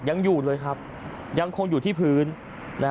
ยังอยู่เลยครับยังคงอยู่ที่พื้น